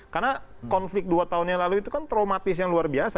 karena konflik dua tahun yang lalu itu kan traumatis yang luar biasa